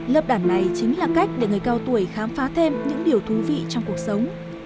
lớp đảm này chính là cách để người cao tuổi khám phá thêm những điều thú vị trong cuộc sống